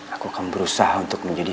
aku bakal pernah biarkan itu terjadi